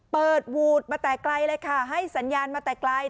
วูดมาแต่ไกลเลยค่ะให้สัญญาณมาแต่ไกล